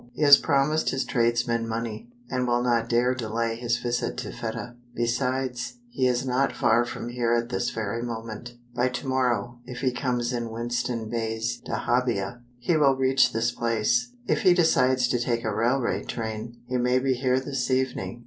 He has promised his tradesmen money, and will not dare delay his visit to Fedah. Besides, he is not far from here at this very moment. By to morrow, if he comes in Winston Bey's dahabeah, he will reach this place. If he decides to take a railway train, he may be here this evening."